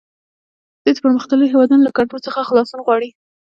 دوی د پرمختللو هیوادونو له کنټرول څخه خلاصون غواړي